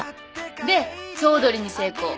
で総取りに成功。